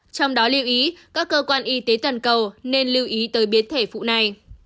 trong đó lưu ý các cơ quan y tế toàn cầu nên lưu ý tới biến thể phụ này